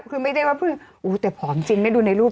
คือไม่ได้ว่าเพิ่งแต่ผอมจริงไม่ดูในรูป